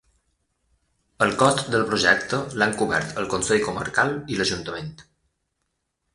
El cost del projecte l'han cobert el Consell Comarcal i l'Ajuntament.